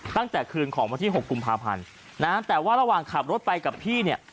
ตั้งแต่คืนของวันที่๖กุมภาพันธ์นะฮะแต่ว่าระหว่างขับรถไปกับพี่เนี่ย